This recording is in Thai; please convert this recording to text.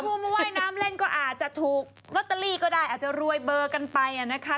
ผู้มาว่ายน้ำเล่นก็อาจจะถูกลอตเตอรี่ก็ได้อาจจะรวยเบอร์กันไปนะคะ